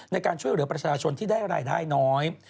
ในการช่วยเหลือประชาชนที่ได้รายได้น้อย